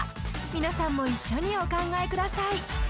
皆さんも一緒にお考えください